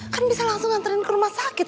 kan bisa langsung nganterin ke rumah sakit